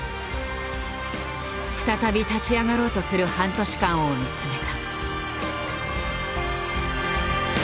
再び立ち上がろうとする半年間を見つめた。